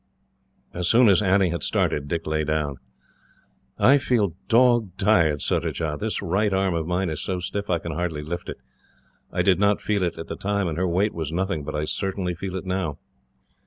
As soon as Annie had started, Dick lay down. "I feel dog tired, Surajah. This right arm of mine is so stiff that I can hardly lift it. I did not feel it at the time, and her weight was nothing, but I certainly feel it now."